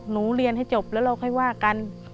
เรียนให้จบแล้วเราค่อยว่ากัน